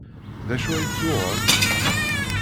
D acu ay tt-yuɣen?